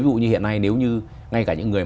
ví dụ như hiện nay nếu như ngay cả những người